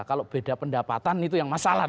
kalau beda pendapatan itu yang masalah